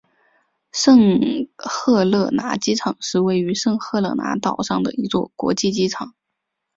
圣赫勒拿机场是位于圣赫勒拿岛上的一座国际机场。